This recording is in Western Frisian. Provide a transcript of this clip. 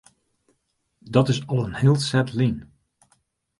Dat is al in heel set lyn.